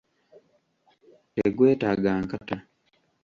Tegwetaaga nkata.